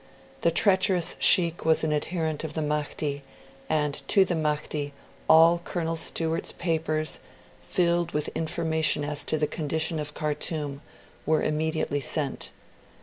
The treacherous Sheikh was an adherent of the Mahdi, and to the Mahdi all Colonel Stewart's papers, filled with information as to the condition of Khartoum, were immediately sent.